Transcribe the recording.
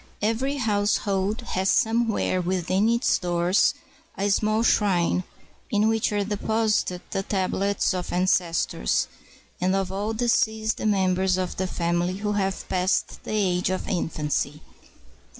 ] Every household has somewhere within its doors a small shrine, in which are deposited the tablets of ancestors, and of all deceased members of the family who have passed the age of infancy.